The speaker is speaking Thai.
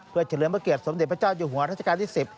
เพื่อเฉลิมพระเกียรติสมเด็จพระเจ้าอยู่หัวรัชกาลที่๑๐